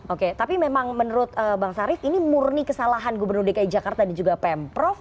oke tapi memang menurut bang sarif ini murni kesalahan gubernur dki jakarta dan juga pemprov